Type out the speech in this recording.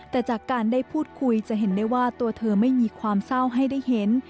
แต่จากการได้พูดคุยจะเห็นได้ว่าตัวเธอไม่มีความเศร้าให้ได้เห็น